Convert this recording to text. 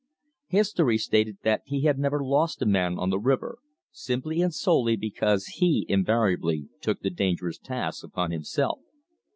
History stated that he had never lost a man on the river, simply and solely because he invariably took the dangerous tasks upon himself.